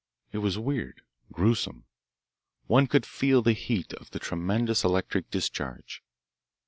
It was weird, gruesome. One could feel the heat of the tremendous electric discharge.